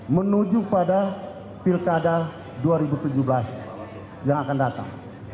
menuju pada pilkada dua ribu tujuh belas yang akan datang